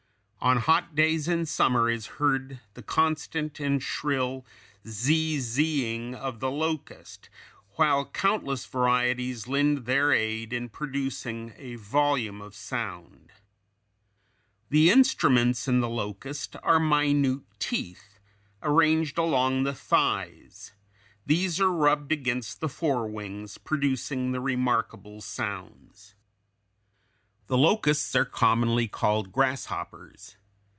On hot days in summer is heard the constant and shrill zee zeeing of the locust, while countless varieties lend their aid in producing a volume of sound. [Illustration: FIG. 195. A grasshopper.] The "instruments" in the locust are (Fig. 196) minute teeth, arranged along the thighs; these are rubbed against the fore wings, producing the remarkable sounds. The locusts are commonly called grasshoppers.